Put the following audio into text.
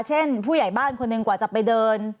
ผู้ใหญ่บ้านคนหนึ่งกว่าจะไปเดิน